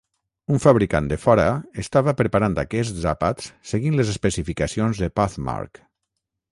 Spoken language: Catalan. Un fabricant de fora estava preparant aquests àpats seguint les especificacions de Pathmark.